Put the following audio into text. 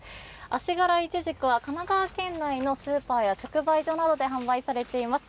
あしがらいちじくは神奈川県内のスーパーや直売所などで販売されています。